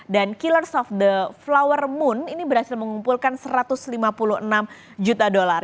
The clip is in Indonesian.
dan killers of the flower moon ini berhasil mengumpulkan satu ratus lima puluh enam juta dolar